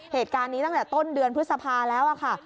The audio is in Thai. เหตุการณ์นี้ตั้งแต่ต้นเดือนพฤษภาแล้วค่ะ